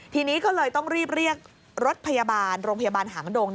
ทีนี้ก็เลยต้องรีบเรียกรถพยาบาลโรงพยาบาลหางดง